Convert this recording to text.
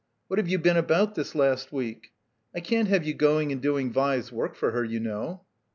What have you been about this last week? I can't have you going and doing Vi's work for her, you know."